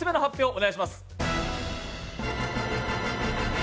お願いします。